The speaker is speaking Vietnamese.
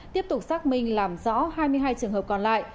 tiếp tục xác minh làm rõ hai mươi hai trường hợp còn lại